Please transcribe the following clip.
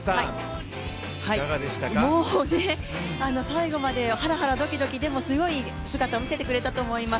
もう最後までハラハラドキドキ、でも強い姿を見せてくれたと思います。